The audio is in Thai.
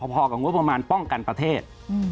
พอกับงบประมาณป้องกันประเทศ